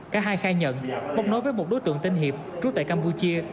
cả hai khai nhận một nói với một đối tượng tên hiệp trú tại campuchia